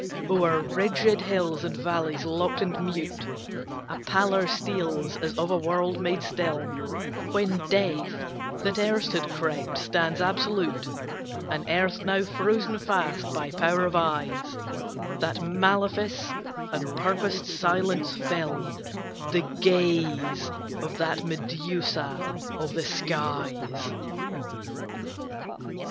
O'er rigid hills and valleys locked and mute, A pallor steals as of a world made still When Death, that erst had crept, stands absolute An earth now frozen fast by power of eyes That malefice and purposed silence fill, The gaze of that Medusa of the skies.